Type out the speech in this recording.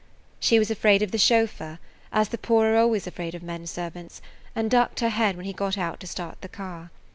She was afraid of the chauffeur, as the poor are always afraid of men servants, and ducked her head when he got out to start the car.